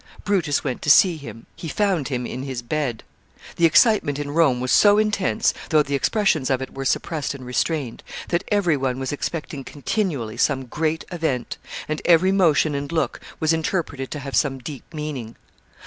Brutus went to see him. He found him in his bed. The excitement in Rome was so intense, though the expressions of it were suppressed and restrained, that every one was expecting continually some great event, and every motion and look was interpreted to have some deep meaning.